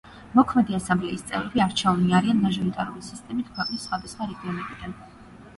მოქმედი ასამბლეის წევრები არჩეულნი არიან მაჟორიტარული სისტემით ქვეყნის სხვადასხვა რეგიონებიდან.